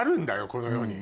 この世に。